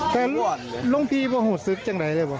แต่หลวงพี่บ่หุศึกอย่างไรหรือเปล่า